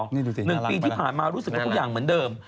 นี่ดูสิ๑ปีที่ผ่านมารู้สึกว่าทุกอย่างเหมือนเดิม